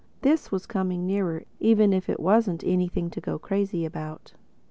This was coming nearer, even if it wasn't anything to go crazy about.